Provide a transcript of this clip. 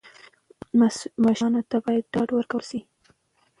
ماشومانو ته باید ډاډ ورکړل سي.